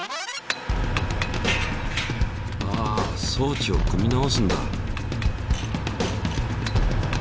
あ装置を組み直すんだ。